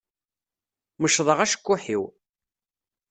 Mecḍeɣ acekkuḥ-iw.